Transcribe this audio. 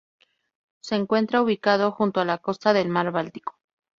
Se encuentra ubicado junto a la costa del mar Báltico.